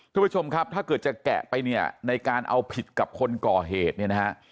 ทุกผู้ชมครับถ้าเกิดจะแกะไปเนี่ยในการเอาผิดกับคนก่อเหตุเนี่ยนะฮะ